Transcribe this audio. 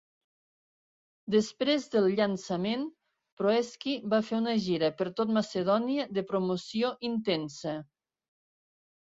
Després del llançament, Proeski va fer una gira per tot Macedònia de promoció intensa.